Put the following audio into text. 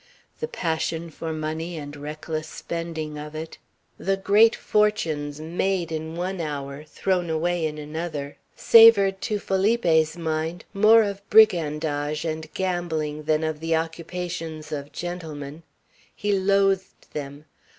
The passion for money and reckless spending of it, the great fortunes made in one hour, thrown away in another, savored to Felipe's mind more of brigandage and gambling than of the occupations of gentlemen. He loathed them.